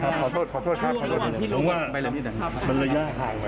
ถอยนะครับถอยนะครับ